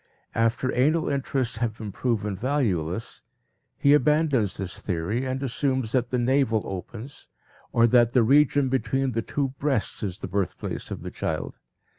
After anal interests have been proven valueless, he abandons this theory and assumes that the navel opens or that the region between the two breasts is the birthplace of the child.